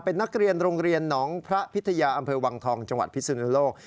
เป็นนักเรียนโรงเรียนหนองพระพิทยาอำเภอวังทองจังหวัดพิสุนโลก